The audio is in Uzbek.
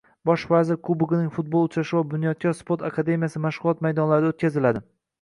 Bosh vazir kubogining futbol uchrashuvlari Bunyodkor futbol akademiyasi mashg'ulot maydonlarida o'tkaziladi